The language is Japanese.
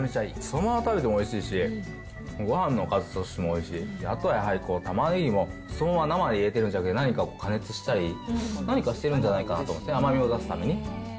そのまま食べてもおいしいし、ごはんのおかずとしてもおいしいし、あとはやはりタマネギもそのまま生で入れてるんじゃなくて、何か加熱したり、何かしてるんじゃないかなと思うんですね、甘みを出すために。